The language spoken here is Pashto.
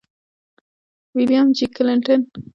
ویلیام جي کلنټن وایي په خفګان کې فکر کولو ته اړتیا ده.